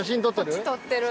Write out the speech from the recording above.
こっち撮ってる。